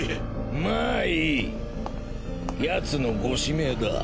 まあいいヤツのご指名だ。